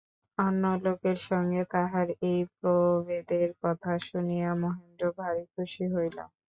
অন্য লোকের সঙ্গে তাহার এই প্রভেদের কথা শুনিয়া মহেন্দ্র ভারি খুশি হইল।